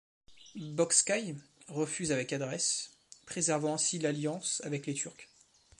Bocskai refuse avec adresse, préservant ainsi l'alliance avec les Turcs.